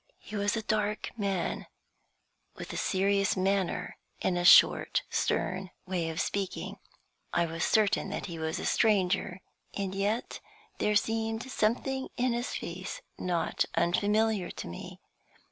He was a dark man, with a serious manner, and a short, stern way of speaking. I was certain that he was a stranger, and yet there seemed something in his face not unfamiliar to me.